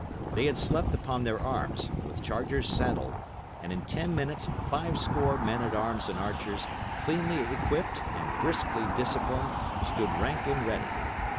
They had slept upon their arms, with chargers saddled, and in ten minutes five score men at arms and archers, cleanly equipped and briskly disciplined, stood ranked and ready.